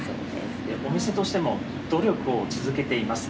お店としても努力を続けています。